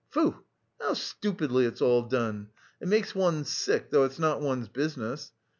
Foo! how stupidly it's all done, it makes one sick, though it's not one's business!